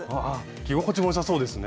着心地もよさそうですね。